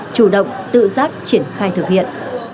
chủ động tự giác triển khai thực hiện